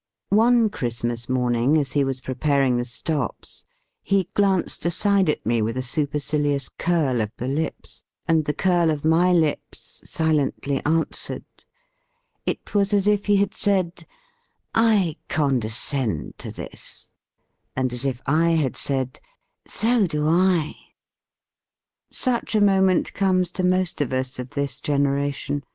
One Christmas morning, as he was preparing the stops, he glanced aside at me with a supercili ous curl of the lips, and the curl of my lips silently answered. It was as if he had said: "I condescend to this," and as if I had said: "So do I." Such a moment comes to mosj of us THE FEAST OF ST FRIEND of this generation.